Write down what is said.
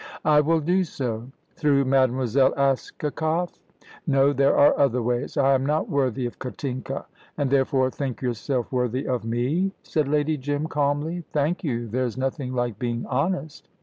"I will do so." "Through Mademoiselle Askakoff?" "No; there are other ways. I am not worthy of Katinka " "And, therefore, think yourself worthy of me," said Lady Jim, calmly. "Thank you! There's nothing like being honest."